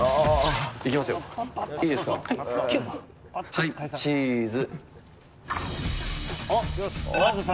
はい、チーズ。